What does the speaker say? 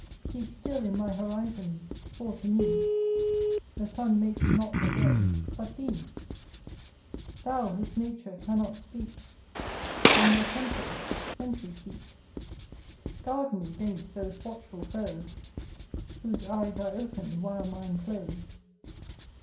Keep still in my horizon; for to me The sun makes not the day, but thee. Thou whose nature cannot sleep, On my temples sentry keep; Guard me 'gainst those watchful foes, Whose eyes are open while mine close.